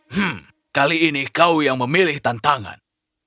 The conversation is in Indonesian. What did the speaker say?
hmm kali ini kau yang memilih tantangan